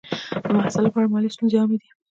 د محصل لپاره مالي ستونزې عامې دي.